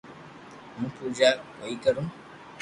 ھون پوجا ڪوئيي ڪرو